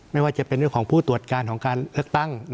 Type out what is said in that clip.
ไม่ว่าจะเป็นเรื่องของผู้ตรวจการของการเลือกตั้ง